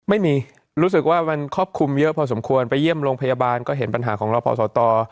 ไม่มีรู้สึกว่ามันครอบคลุมเยอะพอสมควรไปเยี่ยมโรงพยาบาลก็เห็นปัญหาของเราพอสต